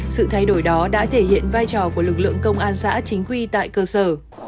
sự thay đổi đó đã thể hiện vai trò của lực lượng công an xã chính quy tại cơ sở